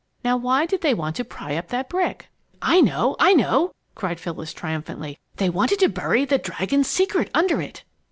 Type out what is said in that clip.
Now why did they want to pry up that brick?" "I know! I know!" cried Phyllis, triumphantly. "They wanted to bury 'The Dragon's Secret' under it!"